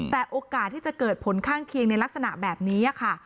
แต่โอกาสที่จะเกิดผลข้างเคียงในลักษณะแบบนี้ค่ะ